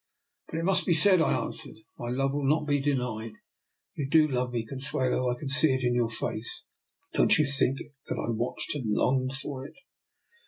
" But it must be said," I answered. " My love will not be denied. You do love me, Consuelo; I can see it in your face. Don't you think that I watched and longed for it?